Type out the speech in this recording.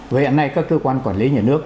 và hiện nay các cơ quan quản lý nhà nước